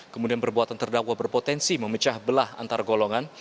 kemudian perbuatan terdakwa berpotensi memecah belah antar golongan